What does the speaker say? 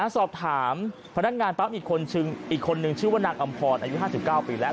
สอบถามพนักงานปั๊มอีกคนนึงชื่อว่านางอำพรอายุ๕๙ปีแล้ว